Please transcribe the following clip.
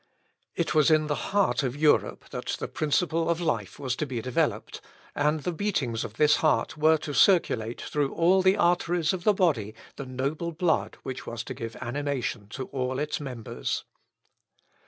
It was in the heart of Europe that the principle of life was to be developed, and the beatings of this heart were to circulate through all the arteries of the body the noble blood which was to give animation to all its members.